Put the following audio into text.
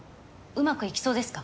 うまくいきそうですか？